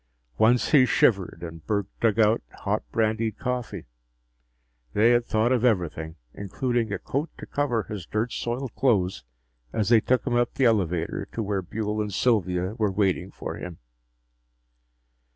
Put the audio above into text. Once he shivered, and Burke dug out hot brandied coffee. They had thought of everything, including a coat to cover his dirt soiled clothes as they took him up the elevator to where Buehl and Sylvia were waiting for him.